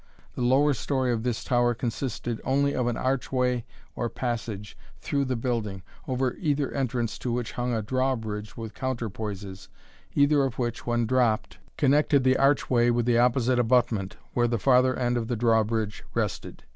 The lower story of this tower consisted only of an archway or passage through the building, over either entrance to which hung a drawbridge with counterpoises, either of which, when dropped, connected the archway with the opposite abutment, where the farther end of the drawbridge rested.